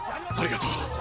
ありがとう！